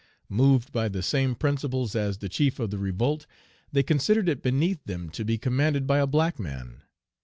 Moved by the same principles as the chief of the revolt, they considered it beneath them to be commanded by a black man.